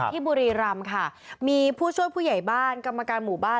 บุรีรำค่ะมีผู้ช่วยผู้ใหญ่บ้านกรรมการหมู่บ้าน